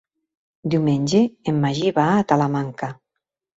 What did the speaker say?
Diumenge en Magí va a Talamanca.